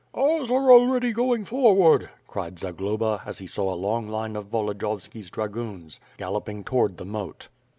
"Ours are already going forward," cried Zagloba as he saw 8 long line of Volodiyovski's dragoons galloping toward the moat.